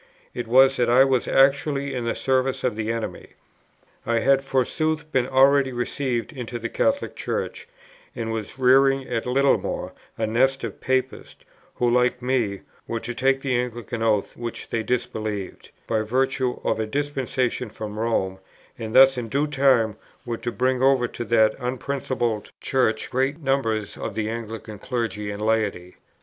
It was that I was actually in the service of the enemy. I had forsooth been already received into the Catholic Church, and was rearing at Littlemore a nest of Papists, who, like me, were to take the Anglican oaths which they disbelieved, by virtue of a dispensation from Rome, and thus in due time were to bring over to that unprincipled Church great numbers of the Anglican Clergy and Laity.